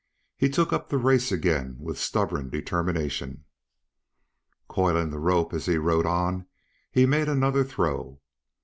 He took up the race again with stubborn determination. Coiling the rope as he rode on, he made another throw.